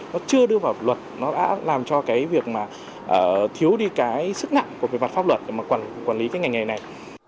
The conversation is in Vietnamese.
nó chưa đưa vào luật nó đã làm cho cái việc mà thiếu đi cái sức nặng của cái mặt pháp luật để mà quản lý cái ngành nghề này